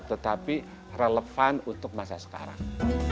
tetapi relevan untuk masa sekarang